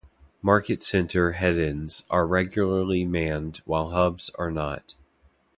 Market center headends are regularly manned while hubs are not.